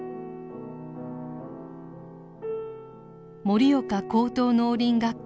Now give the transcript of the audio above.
盛岡高等農林学校